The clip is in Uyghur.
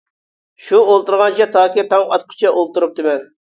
شۇ ئولتۇرغانچە تاكى تاڭ ئاتقىچە ئولتۇرۇپتىمەن.